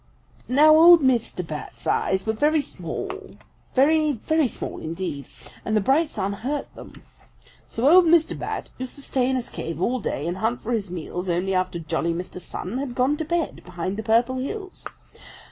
"Now old Mr. Bat's eyes were very small, very, very small indeed, and the bright sun hurt them. So old Mr. Bat used to stay in his cave all day and hunt for his meals only after jolly Mr. Sun had gone to bed behind the Purple Hills.